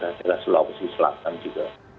terhadap selawasi selatan juga